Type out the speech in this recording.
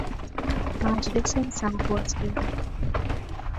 مجلس سرباز گیری